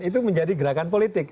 itu menjadi gerakan politik